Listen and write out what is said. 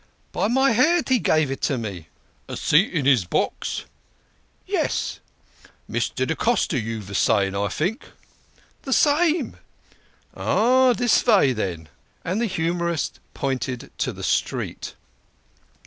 "" By my head. He gave it me." "A seat in his box?" "Yes." "Mr. da Costa, you vos a sayin', I think?" " The same." "Ah ! this vay, then !" And the humorist pointed to the street.